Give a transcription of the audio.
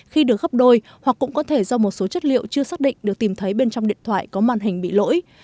khi được gấp đôi hoặc cũng có thể do một số chất liệu chưa xác định được tìm thấy bên trong điện thoại có màn hình bị lỗi